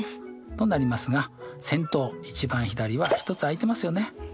となりますが先頭一番左は１つあいてますよね。